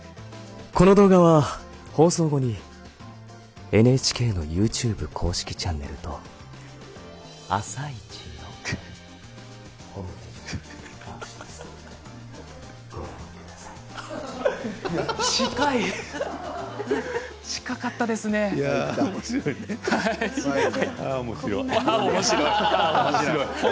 この動画は、放送後にＮＨＫのＹｏｕＴｕｂｅ公式チャンネルと「あさイチ」のホームページにアップします。